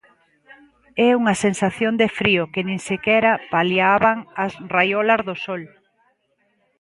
E unha sensación de frío que nin sequera paliaban as raiolas do sol.